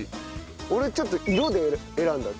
俺ちょっと色で選んだ。